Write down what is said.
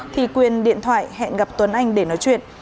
thì quyền điện thoại hẹn gặp tuấn anh để nói chuyện